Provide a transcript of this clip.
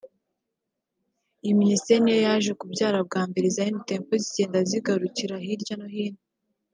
Iyi Minisiteri ni nayo yaje kubyara bwa mbere Zion Temple zigenda zagukira hirya no hino